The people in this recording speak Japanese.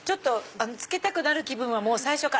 つけたくなる気分は最初から。